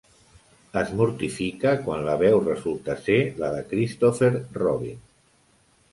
Es mortifica quan la veu resulta ser la de Christopher Robin.